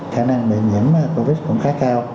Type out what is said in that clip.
khả năng bị nhiễm covid cũng khá cao